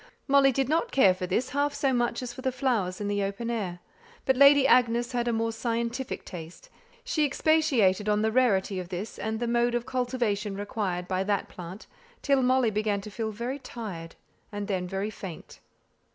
Molly did not care for this half so much as for the flowers in the open air; but Lady Agnes had a more scientific taste, she expatiated on the rarity of this plant, and the mode of cultivation required by that, till Molly began to feel very tired, and then very faint.